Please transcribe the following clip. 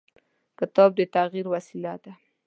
کتاب د تغیر وسیله ده.